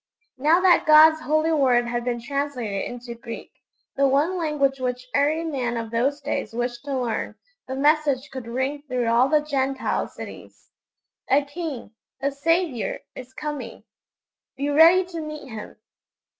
Now that God's Holy Word had been translated into Greek, the one language which every man of those days wished to learn, the message could ring through all the Gentile cities: 'A King, a Saviour, is coming; be ready to meet Him!'